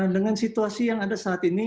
dengan situasi yang ada saat ini